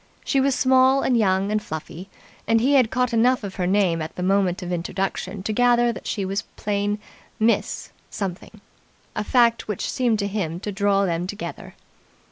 She was small and young and fluffy, and he had caught enough of her name at the moment of introduction to gather that she was plain "Miss" Something a fact which seemed to him to draw them together.